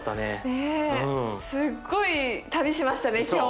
すっごい旅しましたね